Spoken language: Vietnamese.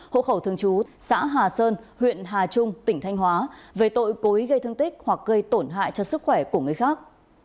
hộ khẩu thường trú xã hà sơn huyện hà trung tỉnh thanh hóa về tội cố ý gây thương tích hoặc gây tổn hại cho sức khỏe của người khác